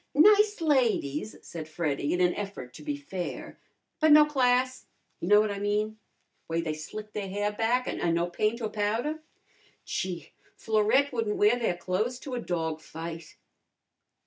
"Nice ladies," said Freddy in an effort to be fair. "But no class you know what I mean. Way they slick their hair back, an' no paint or powder. Gee, Florette wouldn't wear their clo'es to a dog fight!"